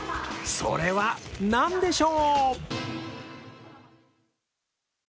それは何でしょう？